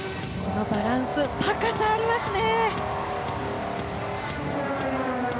バランス高さがありますね。